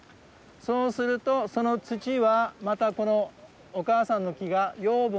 そうするとその土はまたこのお母さんの木が養分として使うわけだ。